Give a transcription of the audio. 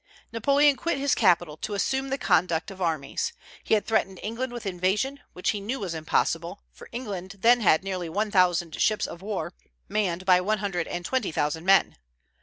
Napoleon quit his capital to assume the conduct of armies. He had threatened England with invasion, which he knew was impossible, for England then had nearly one thousand ships of war, manned by one hundred and twenty thousand men.